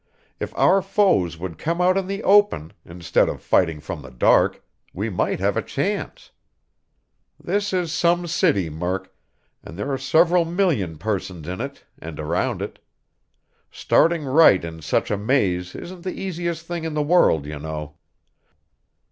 "If our foes would come out in the open, instead of fighting from the dark, we might have a chance. This is some city, Murk, and there are several million persons in it and around it. Starting right in such a maze isn't the easiest thing in the world, you know."